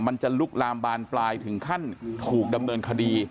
มันจะลุกลามบานปลายถึงขั้นถูกดำเนินคดี